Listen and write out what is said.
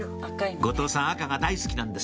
後藤さん赤が大好きなんです